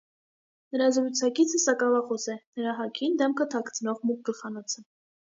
Նրա զրուցակիցը սակավախոս է, նրա հագին դեմքը թաքցնող մուգ գլխանոց է։